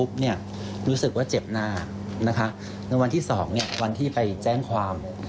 คือเป็นรูปไหวของผม